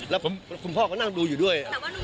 แล้วคุณพ่อก็นั่งดูอยู่ด้วย